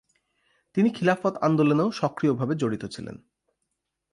তিনি খিলাফত আন্দোলনেও সক্রিয়ভাবে জড়িত ছিলেন।